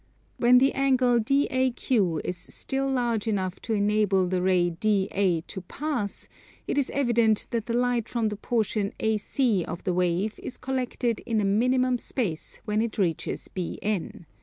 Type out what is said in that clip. When the angle DAQ is still large enough to enable the ray DA to pass, it is evident that the light from the portion AC of the wave is collected in a minimum space when it reaches BN.